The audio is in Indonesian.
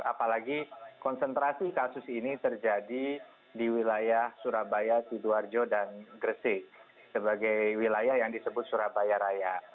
apalagi konsentrasi kasus ini terjadi di wilayah surabaya sidoarjo dan gresik sebagai wilayah yang disebut surabaya raya